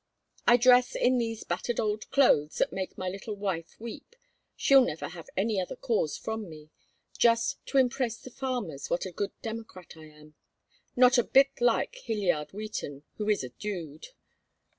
I dress in these battered old clothes, that make my little wife weep she'll never have any other cause from me just to impress the farmers what a good Democrat I am; not a bit like Hyliard Wheaton, who is a dude.